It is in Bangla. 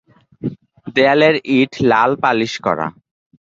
দেয়ালের ইট লাল পালিশ করা।